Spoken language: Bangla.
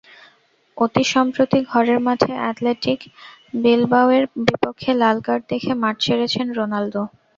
অতিসম্প্রতি ঘরের মাঠে অ্যাথলেটিক বিলবাওয়ের বিপক্ষে লাল কার্ড দেখে মাঠ ছেড়েছেন রোনালদো।